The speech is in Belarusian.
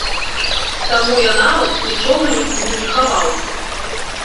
Таму я нават нічога нікуды не хаваў.